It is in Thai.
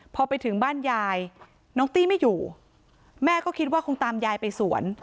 พอไปถึงบ้านยายน้องตี้ไม่อยู่แม่ก็คิดว่าคงตามยายไปสวน